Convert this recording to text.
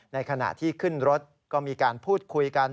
ในขณะที่ขึ้นรถก็มีการพูดคุยกัน